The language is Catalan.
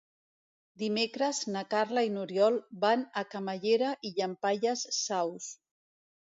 Dimecres na Carla i n'Oriol van a Camallera i Llampaies Saus.